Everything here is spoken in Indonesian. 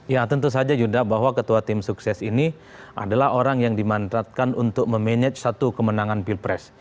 ya tentu saja yuda bahwa ketua tim sukses ini adalah orang yang dimandratkan untuk memanage satu kemenangan pilpres